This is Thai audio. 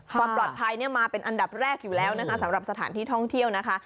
ความปลอดภัยมาเป็นอันดับแรกอยู่แล้วนะคะสำหรับสถานที่ท่องเที่ยวนะคะ